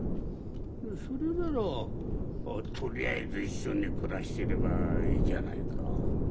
それならとりあえず一緒に暮らしていればいいじゃないか。